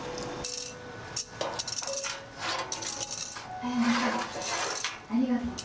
彩菜さんありがとう。